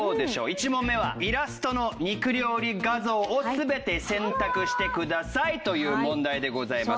１問目はイラストの肉料理画像を全て選択してくださいという問題でございます。